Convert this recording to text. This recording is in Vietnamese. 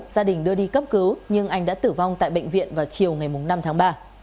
gia đình đưa đi cấp cứu nhưng anh đã tử vong tại bệnh viện vào chiều ngày năm tháng ba